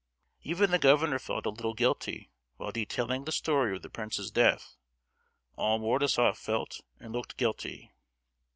Even the governor felt a little guilty while detailing the story of the prince's death: all Mordasof felt and looked guilty.